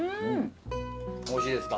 おいしいですか？